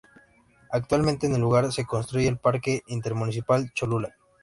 Actualmente en el lugar se construye el Parque Intermunicipal Cholula.